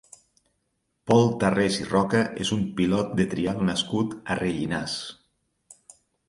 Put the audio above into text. Pol Tarrés i Roca és un pilot de trial nascut a Rellinars.